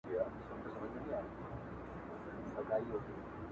• د زړه له درده شاعري کومه ښه کوومه..